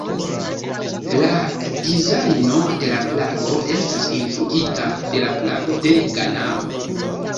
La dizajno de la flago estas influita de la flago de Ganao.